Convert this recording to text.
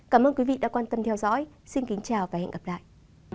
cảm ơn quý vị đã quan tâm theo dõi xin kính chào và hẹn gặp lại